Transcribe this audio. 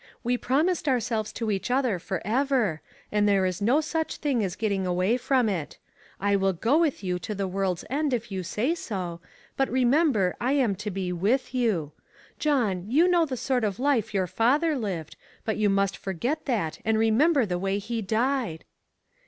We promised ourselves to each other forever, and there is no such thing as getting away from it. I will go A NIGHT TO REMEMBER. 509 with you to the world's end if 3011 say so, but remember I am to be with you. John, you know the sort of life your father lived, but you must forget that and remem ber the way he died.